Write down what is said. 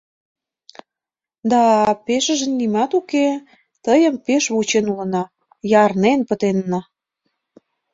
— Да пешыже нимат уке; тыйым пеш вучен улына, ярнен пытенна.